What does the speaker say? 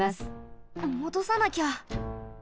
もどさなきゃ！